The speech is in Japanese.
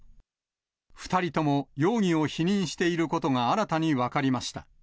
２人とも容疑を否認していることが新たに分かりました。